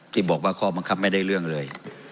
ที่บอกว่าข้อบังคับไม่ได้เรื่องเลย